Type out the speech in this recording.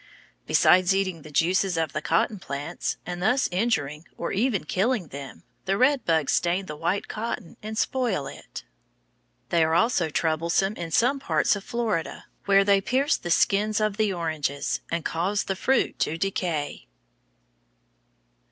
Beside eating the juices of the cotton plants and thus injuring or even killing them, the red bugs stain the white cotton and spoil it. They are also troublesome in some parts of Florida, where they pierce the skins of the oranges, and cause the fruit to decay.